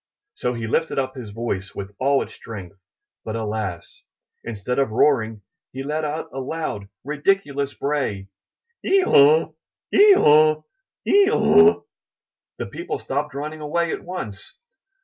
So he lifted up his voice with all its strength, but alas ! instead of roaring, he let out a loud, ridiculous 246 IN THE NURSERY bray! *'Ee aw! Ee aw! Ee aw!" The people stopped running away at once.